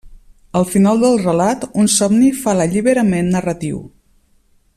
Al final del relat, un somni fa l'alliberament narratiu.